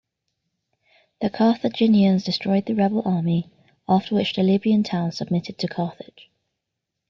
The Carthaginians destroyed the rebel army, after which the Libyan towns submitted to Carthage.